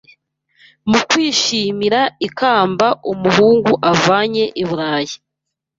mu kwishimira ikamba umuhungu avanye i Burayi.